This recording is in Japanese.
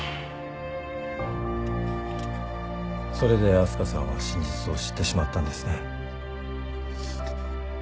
それで明日香さんは真実を知ってしまったんですね。